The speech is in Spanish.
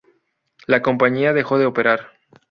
La compañía dejó de operar.